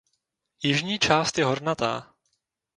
Jižní část je hornatá.